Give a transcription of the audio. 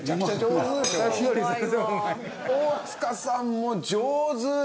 大塚さんも上手！